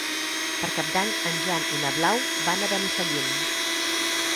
Per Cap d'Any en Jan i na Blau van a Benifallim.